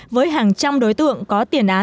với hàng trăm đối tượng có tiền án